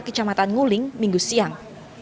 kecamatan nguling minggu siang